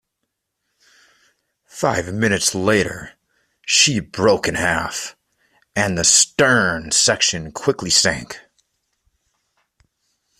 Five minutes later she broke in half, and the stern section quickly sank.